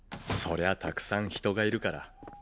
そりゃたくさん人がいるから。